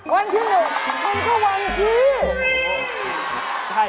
วันที่๑มันก็วันที่